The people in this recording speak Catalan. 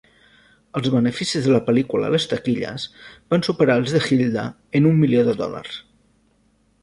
Els beneficis de la pel·lícula a les taquilles van superar els de "Gilda"' en un milió de dòlars.